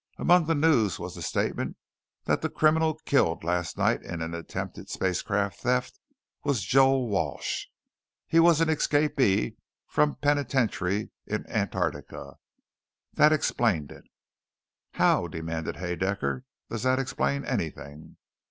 Among the news was the statement that the criminal killed last night in attempted spacecraft theft was Joel Walsh. He was an escapee from penitentiary in Antarctica. That explained it." "How?" demanded Haedaecker, "does that explain anything?"